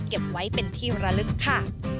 เก็บไว้เป็นที่ระลึกค่ะ